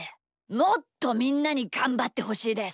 もっとみんなにがんばってほしいです。